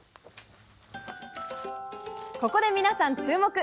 ここで皆さん注目！